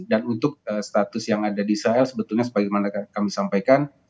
dan untuk status yang ada di israel sebetulnya seperti yang kami sampaikan